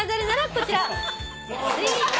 こちら。